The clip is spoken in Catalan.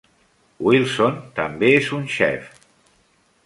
Wilson també és un xef.